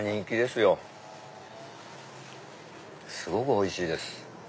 すごくおいしいです。